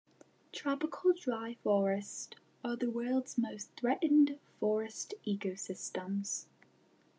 Tropical dry forests are the world's most threatened forest ecosystems.